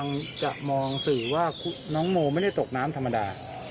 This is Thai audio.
คุณแม่อยากจะมองสิว่าน้องโมไม่ได้ตกน้ำธรรมดา